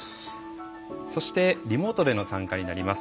そしてリモートでの参加になります。